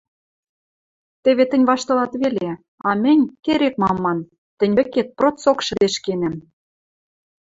Теве тӹнь ваштылат веле, а мӹнь, керек-мам ман, тӹнь вӹкет процок шӹдешкенӓм...